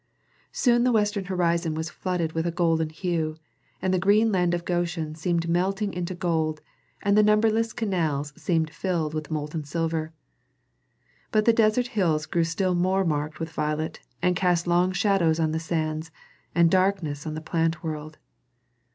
Soon the western horizon was flooded with a golden hue, and the green land of Goshen seemed melting into gold, and the numberless canals seemed filled with molten silver. But the desert hills grew still more marked with violet, and cast long shadows on the sands, and darkness on the plant world.